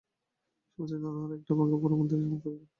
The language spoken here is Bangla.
সমস্ত দিন অনাহারে একটা ভাঙা পোড়ো মন্দিরে যাপন করিল।